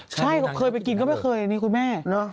ใช่เคยไปกินก็ไม่เคยอันนี้คุณแม่